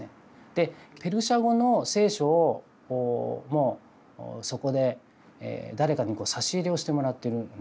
でペルシャ語の聖書をもうそこで誰かに差し入れをしてもらってるんですよね。